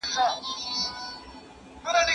مالیات د دولت عواید دي.